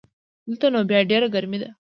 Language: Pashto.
دلته نو بیا ډېره ګرمي ده